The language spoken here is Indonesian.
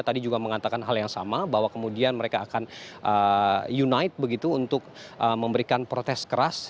tadi juga mengatakan hal yang sama bahwa kemudian mereka akan united begitu untuk memberikan protes keras